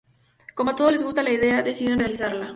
Como a todos les gusta la idea, deciden realizarla.